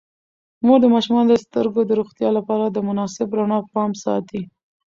مور د ماشومانو د سترګو د روغتیا لپاره د مناسب رڼا پام ساتي.